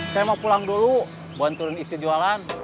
saya mau pulang dulu bantuin istri jualan